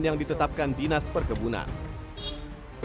yang ditetapkan dinas perkebunan